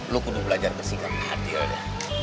lo kena belajar bersikap adil ya